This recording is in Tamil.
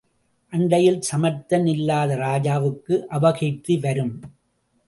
அண்டையில் சமர்த்தன் இல்லாத ராஜாவுக்கு அபகீர்த்தி வரும்.